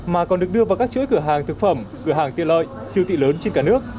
mà còn được đưa vào các chỗ cửa hàng thực phẩm cửa hàng tiên loại siêu tị lớn trên cả nước